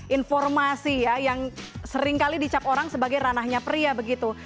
informasi ya yang seringkali dicap orang sebagai ranahnya pria begitu